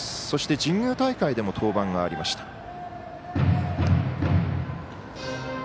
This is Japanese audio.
そして、神宮大会でも登板がありました。